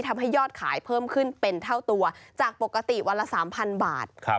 ทำให้ยอดขายเพิ่มขึ้นเป็นเท่าตัวจากปกติวันละ๓๐๐บาท